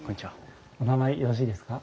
お名前よろしいですか？